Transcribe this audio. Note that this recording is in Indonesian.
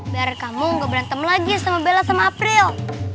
biar kamu gak berantem lagi sama bella sama april